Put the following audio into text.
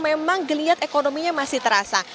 memang geliat ekonominya masih terasa